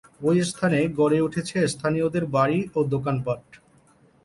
ঐ স্থানে গড়ে উঠেছে স্থানীয়দের বাড়ি ও দোকানপাট।